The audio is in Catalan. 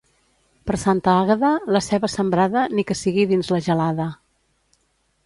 Per Santa Àgueda, la ceba sembrada, ni que sigui dins la gelada.